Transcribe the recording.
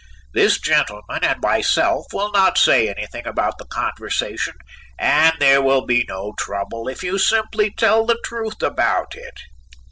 This gentleman and myself will not say anything about this conversation and there will be no trouble if you simply tell the truth about it."